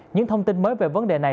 những thông tin mới về vấn đề này